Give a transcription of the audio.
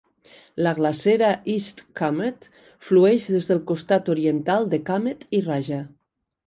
La glacera East Kamet flueix des del costat oriental de Kamet i Raja.